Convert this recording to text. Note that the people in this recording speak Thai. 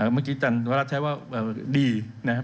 เมื่อกี้จันวรัฐใช้ว่าดีนะครับ